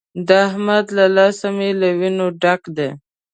د احمد له لاسه مې له وينو ډک دی.